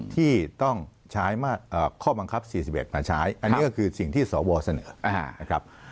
ที่ต้องใช้ข้อบังคับ๔๑มาใช้อันนี้ก็คือสิ่งที่สวเสนอนะครับ